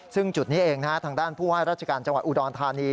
ซึ่งจุดนี้เองทางด้านผู้ว่าราชการจังหวัดอุดรธานี